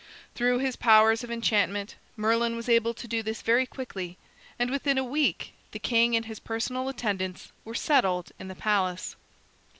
Through his powers of enchantment, Merlin was able to do this very quickly, and within a week the king and his personal attendants were settled in the palace.